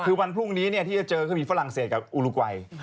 คือวันพรุ่งนี้ที่จะเจอก็มีฝรั่งเศสกับอุลุกวัย